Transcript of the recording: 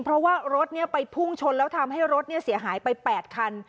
เพราะว่ารถไปพุ่งชนแล้วทำให้รถเสียหายไป๘คัน